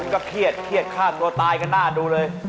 ก็เครียดเครียดฆ่าตัวตายกันหน้าดูเลย